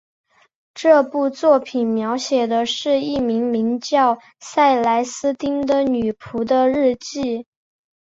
这部作品描写的是一名名叫塞莱丝汀的女仆的日记。